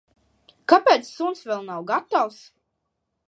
Kāpēc suns vēl nav gatavs?